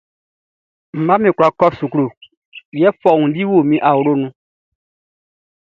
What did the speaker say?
Mi mmaʼm be kwla kɔ suklu, yɛ fɔundi o mi awlo lɔ.